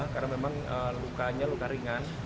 karena memang lukanya luka ringan